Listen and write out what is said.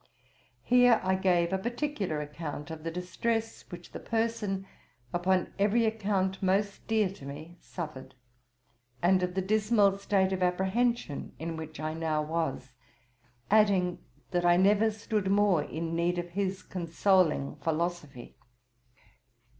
[Here I gave a particular account of the distress which the person, upon every account most dear to me, suffered; and of the dismal state of apprehension in which I now was: adding that I never stood more in need of his consoling philosophy.